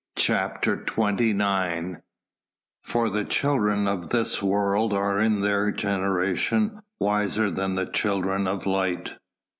CHAPTER XXIX "For the children of this world are in their generation wiser than the children of light."